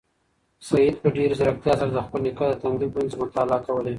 سعید په ډېرې ځیرکتیا سره د خپل نیکه د تندي ګونځې مطالعه کولې.